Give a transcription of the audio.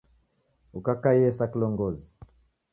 Ukakaiye sa kilongozi